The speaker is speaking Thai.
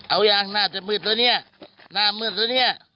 เอาอย่างหน้าจะหมืดแล้วเนี่ยหน้าหมืดแล้วเนี่ย